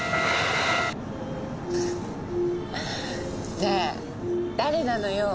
ねえ誰なのよ？